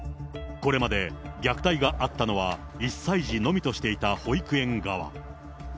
これまで虐待があったのは１歳児のみとしていた保育園側。